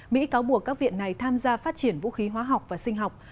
mỹ cáo buộc các viện này tham gia phát triển vũ khí hóa học và sinh học